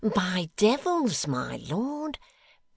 'By devils! my lord!